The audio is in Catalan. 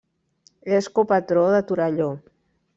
És copatró de Torelló.